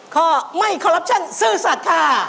ข้อไม่คอรัปชั่นซื่อสัตว์ค่ะ